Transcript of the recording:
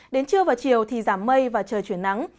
đến trưa và chiều thì giảm mây và trời chuyển nắng